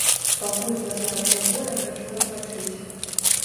Пакуль пасля ўсяго я хачу адпачыць.